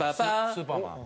『スーパーマン』。